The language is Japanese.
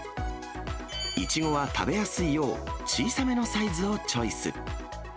イチゴは食べやすいよう、小さめのサイズをチョイス。